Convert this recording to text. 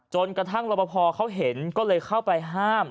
กระทั่งรบพอเขาเห็นก็เลยเข้าไปห้าม